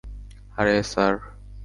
আরে, স্যার।